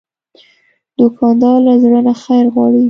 دوکاندار له زړه نه خیر غواړي.